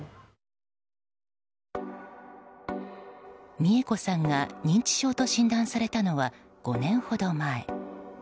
三恵子さんが認知症と診断されたのは５年ほど前。